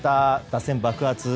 打線爆発。